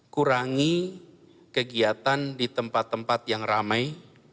kurangi kegiatan di tempat tempat yang ramai